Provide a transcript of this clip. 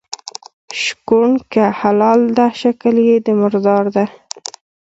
شکوڼ که حلال ده شکل یي د مردار ده.